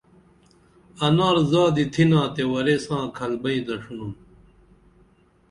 انار زادی تِھنا تے ورے ساں کَھل بئیں دڇِنُن